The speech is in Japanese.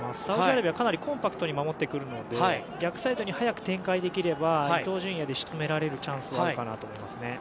サウジアラビアはかなりコンパクトに守ってくるので逆サイドに早く展開できれば伊東純也で仕留められるチャンスはあるかなと思います。